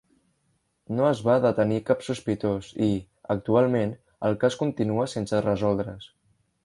No es va detenir cap sospitós i, actualment, el cas continua sense resoldre's.